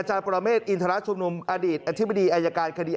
จากหลักฐานที่ปรากฏ